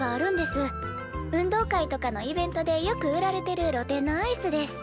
運動会とかのイベントでよく売られてる露店のアイスです。